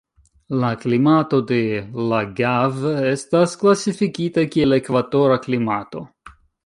La klimato de Lagave estas klasifikita kiel ekvatora klimato.